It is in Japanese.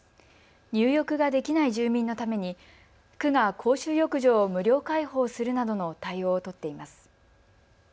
入浴ができない住民のために区が公衆浴場を無料開放するなどの対応を取っています。